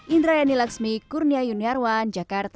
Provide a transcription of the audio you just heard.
indra yani lakshmi kurnia yuniarwan jakarta